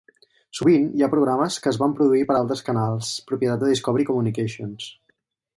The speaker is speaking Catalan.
Sovint hi ha programes que es van produir per a altres canals propietat de Discovery Communications.